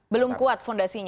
belum kuat fondasinya